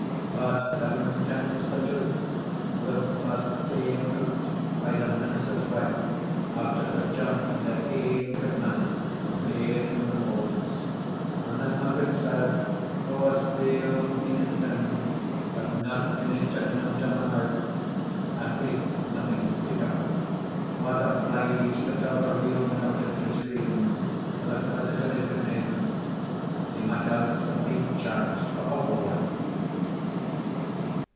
But Heaven kens the truth, whilk first came out by the minister's wife, after Sir John and her ain gudeman were baith in the moulds. And then my gudesire, wha was failed in his limbs, but not in his judgment or memory, at least nothing to speak of, was obliged to tell the real narrative to his freends, for the credit of his good name. He might else have been charged for a warlock.